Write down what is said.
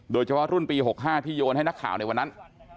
โดยเฉพาะรุ่นปี๖๕ที่โยนให้นักข่าวในวันนั้น